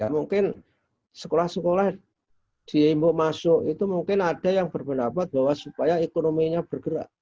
mungkin sekolah sekolah diimbuk masuk itu mungkin ada yang berpendapat bahwa supaya ekonominya bergerak